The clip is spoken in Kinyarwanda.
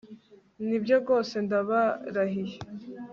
Nibyo rwose Ndabarahiye